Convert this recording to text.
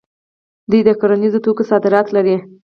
دوی د کرنیزو توکو صادرات لري.